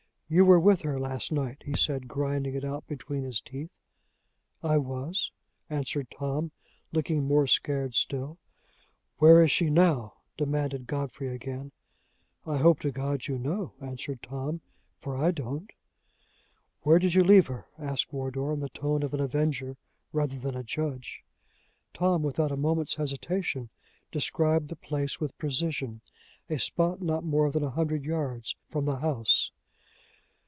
"You were with her last night," he said, grinding it out between his teeth. "I was," answered Tom, looking more scared still. "Where is she now?" demanded Godfrey again. "I hope to God you know," answered Tom, "for I don't." "Where did you leave her?" asked Wardour, in the tone of an avenger rather than a judge. Tom, without a moment's hesitation, described the place with precision a spot not more than a hundred yards from the house.